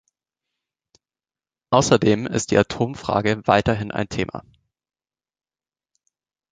Außerdem ist die Atomfrage weiterhin ein Thema.